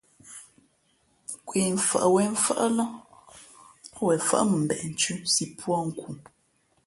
Nkwe mfαʼ wěn mfάʼ lά ά wen fάʼ mα mbeʼ nthʉ̄ si pūᾱ nkhu.